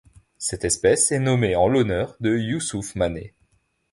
Cette espèce est nommée en l'honneur de Youssouph Mané.